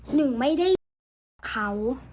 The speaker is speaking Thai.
หนึ่งไม่ได้กับเขา